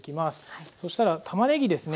そしたらたまねぎですね。